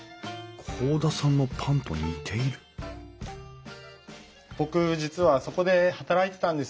甲田さんのパンと似ている僕実はそこで働いてたんですよ。